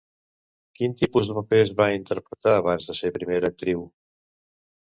Quin tipus de papers va interpretar abans de ser primera actriu?